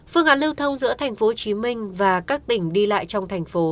phương án lưu thông giữa thành phố hồ chí minh và các tỉnh đi lại trong thành phố